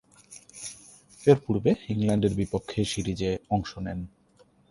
এর পূর্বে ইংল্যান্ডের বিপক্ষে সিরিজে অংশ নেন।